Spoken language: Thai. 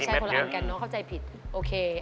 ใช่คนละอันกันเนาะเข้าใจผิดมีแม็ฟเยอะ